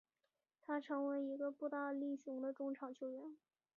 他成为一个步大力雄的中场球员。